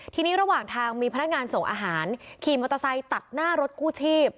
ทีนี้ระหว่างทางมีพนักงานส่งอาหารขี่มอเตอร์ไซค์ตัดหน้ารถกู้ชีพ